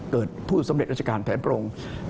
เกิดผู้สำเร็จราชการแผนโปรง